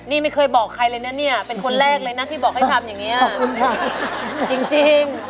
นี่ไม่เคยบอกใครเลยนะเนี่ยเป็นคนแรกเลยนะที่บอกให้ทำอย่างนี้จริง